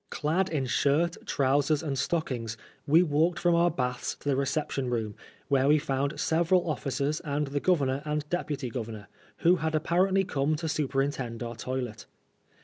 Clad in shirt, trousers and stockings, we walked from our baths to the reception room, where we found several officers and the Governor and Deputy Governor, who had apparently come to superintend our toilet.